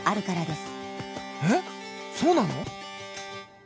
えっそうなの？